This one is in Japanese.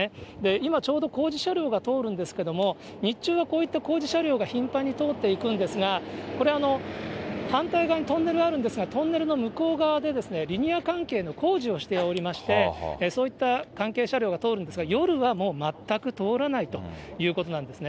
今、ちょうど工事車両が通るんですけども、日中はこうした工事車両が頻繁に通っていくんですが、これ、反対側にトンネルあるんですが、トンネルの向こう側でリニア関係の工事をしておりまして、そういった関係車両が通るんですが、夜はもう全く通らないということなんですね。